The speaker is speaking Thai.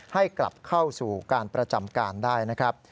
ให้กลับเข้าสู่การประจำการได้นะครับ